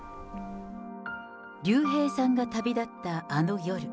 竜兵さんが旅立ったあの夜。